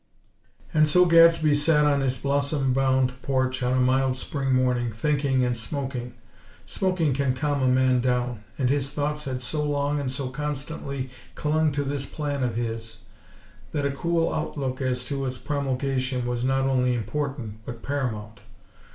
And so Gadsby sat on his blossom bound porch on a mild Spring morning, thinking and smoking. Smoking can calm a man down; and his thoughts had so long and so constantly clung to this plan of his that a cool outlook as to its promulgation was not only important, but paramount.